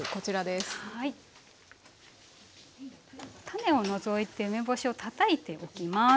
種を除いて梅干しをたたいてできます。